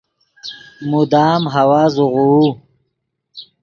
مدام ہوا زوغوؤ